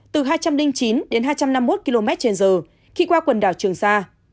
từ hai trăm linh chín đến hai trăm năm mươi một km trên giờ khi qua quần đảo trường sa